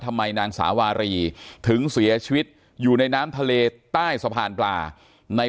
นางสาวารีถึงเสียชีวิตอยู่ในน้ำทะเลใต้สะพานปลาใน